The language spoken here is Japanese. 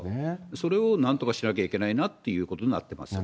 それをなんとかしなきゃいけないなっていうことになっています。